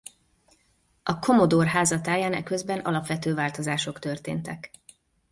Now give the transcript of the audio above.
A Commodore háza táján eközben alapvető változások történtek.